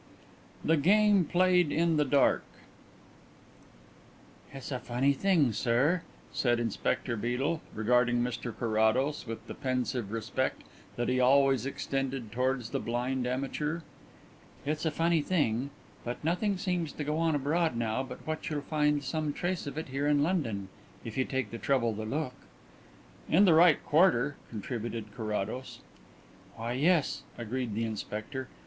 THE GAME PLAYED IN THE DARK "It's a funny thing, sir," said Inspector Beedel, regarding Mr Carrados with the pensive respect that he always extended towards the blind amateur, "it's a funny thing, but nothing seems to go on abroad now but what you'll find some trace of it here in London if you take the trouble to look." "In the right quarter," contributed Carrados. "Why, yes," agreed the inspector.